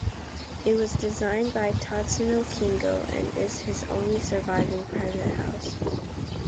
It was designed by Tatsuno Kingo and is his only surviving private house.